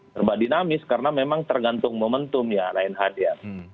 terbak dinamis karena memang tergantung momentumnya lain hadiah